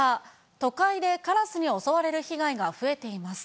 都会でカラスに襲われる被害が増えています。